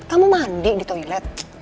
kamu mandi di toilet